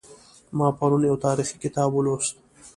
ما پرون یو تاریخي کتاب ولوست